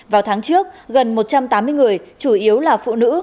vào tháng trước gần một trăm tám mươi người chủ yếu là phụ nữ